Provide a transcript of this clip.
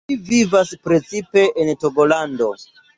Ili vivas precipe en Togolando.